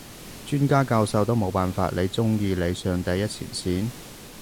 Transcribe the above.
專家教授都冇辦法，你中意你上第一前線？